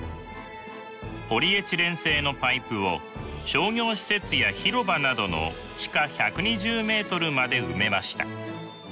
ポリエチレン製のパイプを商業施設や広場などの地下１２０メートルまで埋めました。